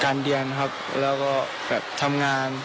เรียนครับแล้วก็แบบทำงาน